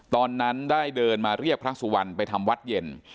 ตอนนั้นได้เดินมาเรียกพระสุวรรณไปทำวัดเย็น